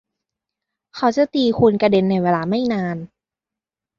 เขาจะตีคุณกระเด็นในเวลาไม่นาน